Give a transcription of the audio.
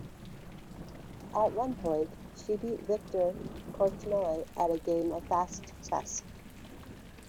At one point she beat Viktor Korchnoi at a game of fast chess.